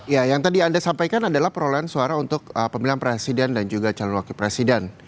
ya yang tadi anda sampaikan adalah perolehan suara untuk pemilihan presiden dan juga calon wakil presiden